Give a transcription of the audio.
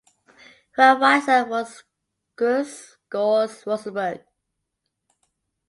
Her advisor was Grzegorz Rozenberg.